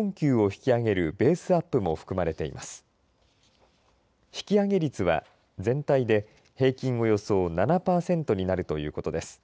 引き上げ率は全体で平均およそ７パーセントになるということです。